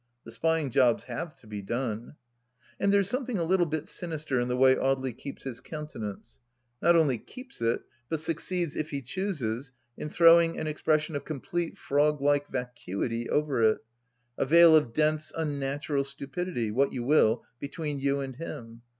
... The spying jobs have to be done. ... And there is something a little bit sinister in the way Audely keeps his countenance ; not only keeps it, but succeeds, if he chooses, in throwing an expression of complete frog like vacuity over it : a veil of dense unnatural stupidity — what you will — between you and him.